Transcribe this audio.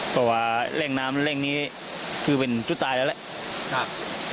แต่ว่าแรงน้ำแรงนี้คือเป็นจุดต้ายแล้ว